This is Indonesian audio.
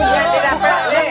iya ini tidak fair